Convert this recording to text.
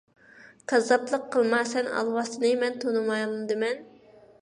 كاززاپلىق قىلما، سەن ئالۋاستىنى مەن تونۇمامدىمەن؟